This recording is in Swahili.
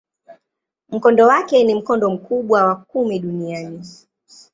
Mkondo wake ni mkondo mkubwa wa kumi duniani.